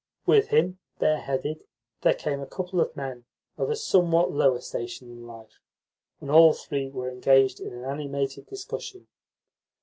With him, bareheaded, there came a couple of men of a somewhat lower station in life, and all three were engaged in an animated discussion.